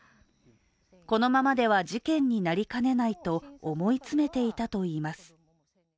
このままでは事件になりかねないと思い詰めていたといいます。